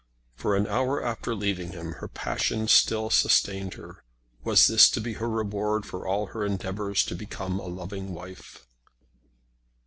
For an hour after leaving him her passion still sustained her. Was this to be her reward for all her endeavours to become a loving wife?